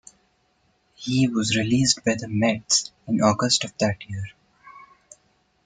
He was released by the Mets in August of that year.